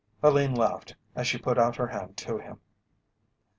Helene laughed as she put out her hand to him.